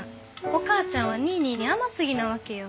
お母ちゃんはニーニーに甘すぎなわけよ。